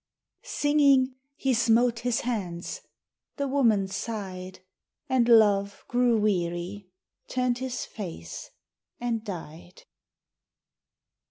Singing, he smote his hands The woman sighed, And Love grew weary, Turned his face, and died.